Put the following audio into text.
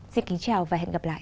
xin kính chào và hẹn gặp lại